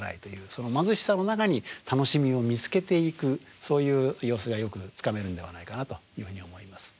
その貧しさの中に楽しみを見つけていくそういう様子がよくつかめるんではないかなというふうに思います。